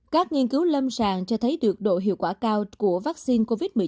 các nghiên cứu lâm sàng cho thấy được độ hiệu quả cao của vaccine covid một mươi chín